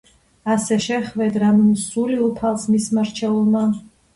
ასე შეჰვედრა სული უფალს მისმა რჩეულმა.